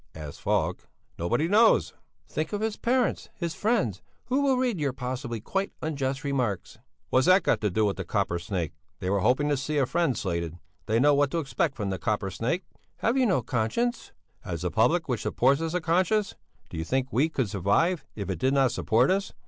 asked Falk. "Nobody knows." "Think of his parents, his friends, who will read your possibly quite unjust remarks." "What's that got to do with the Copper Snake? They were hoping to see a friend slated; they know what to expect from the Copper Snake." "Have you no conscience?" "Has the public which supports us, a conscience? Do you think we could survive if it did not support us?